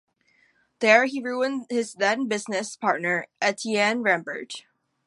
There, he ruined his then-business partner, Etienne Rambert.